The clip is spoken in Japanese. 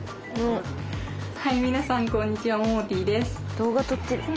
動画撮ってる。